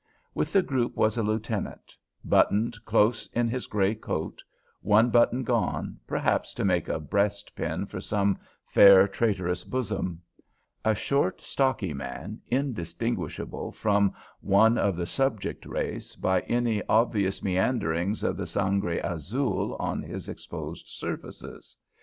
With the group was a lieutenant, buttoned close in his gray coat, one button gone, perhaps to make a breastpin for some fair traitorous bosom. A short, stocky man, undistinguishable from one of the "subject race" by any obvious meanderings of the sangre azul on his exposed surfaces.